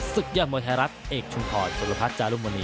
ศึกเยี่ยมมือไทยรัฐเอกชุมข่อยสุรพัฒน์จารุมณี